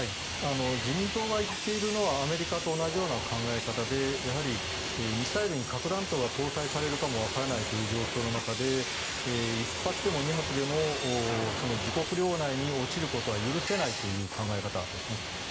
自民党が言っているのはアメリカと同じような考え方でやはりミサイルに核弾頭が搭載されるかもわからないという状況の中で１発でも２発でも自国領内に落ちることは許せないという考え方ですね。